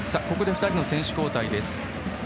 ここで２人の選手交代です。